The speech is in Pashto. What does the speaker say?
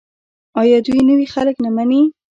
آیا دوی نوي خلک نه مني؟